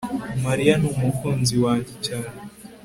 mariya ni umukunzi wanjye cyane